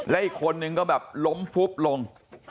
และอีกคนนึงก็แบบล้มฟุบลง